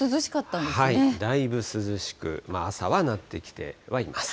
だいぶ涼しく、朝はなってきてはいます。